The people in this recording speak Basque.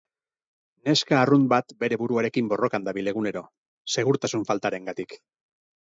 Neska arrunt bat bere buruarekin borrokan dabil egunero, segurtasun faltarengatik.